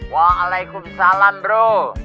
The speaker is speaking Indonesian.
wa'alaikum salam bro